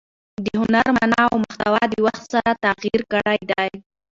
د هنر مانا او محتوا د وخت سره تغیر کړی دئ.